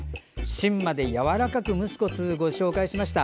芯までやわらかく蒸すとご紹介しました。